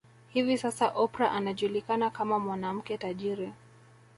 Hivi Sasa Oprah anajulikana kama mwanamke tajiri